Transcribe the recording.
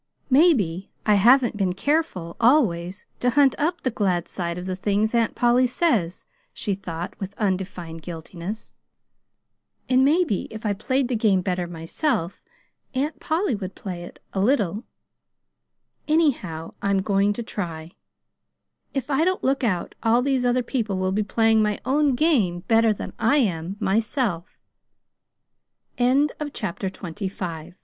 "Maybe I haven't been careful, always, to hunt up the glad side of the things Aunt Polly says," she thought with undefined guiltiness; "and maybe if I played the game better myself, Aunt Polly would play it a little. Anyhow I'm going to try. If I don't look out, all these other people will be playing my own game better than I am myself!" CHAPTER XXVI JOHN PENDLETON It was just a week before Christmas that Pollyanna sent her